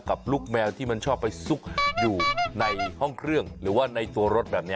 กับลูกแมวที่มันชอบไปซุกอยู่ในห้องเครื่องหรือว่าในตัวรถแบบนี้